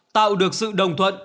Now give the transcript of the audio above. tạo được sự đồng thuận